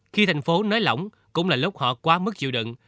khi thành phố nới lỏng cũng là lúc họ quá mức chịu đựng